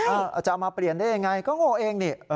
แล้วหมายความว่ายังไง